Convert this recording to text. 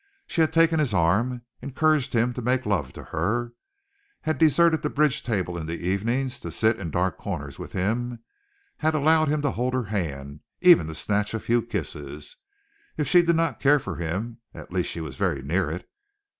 She had taken his arm, encouraged him to make love to her, had deserted the bridge table in the evenings to sit in dark corners with him, had allowed him to hold her hand, even to snatch a few kisses. If she did not care for him, at least she was very near it.